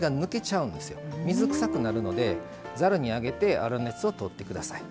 水くさくなるのでざるにあげて粗熱をとって下さい。